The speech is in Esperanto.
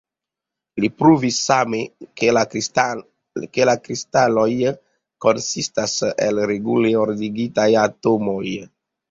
Li pruvis same, ke la kristaloj konsistas el regule ordigitaj atomoj.